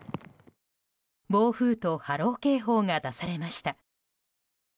暴風と波浪警報が出されました。